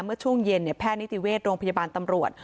เมื่อช่วงเย็นแพทย์นิติเวชโรงพยาบาลตำรวจ